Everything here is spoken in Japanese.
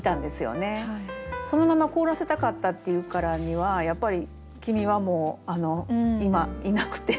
「そのまま凍らせたかった」っていうからにはやっぱり君はもう今いなくて。